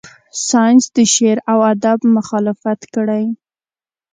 ساینس د شعر و ادب مخالفت کړی.